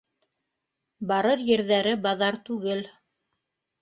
Барыр ерҙәре баҙар түгел.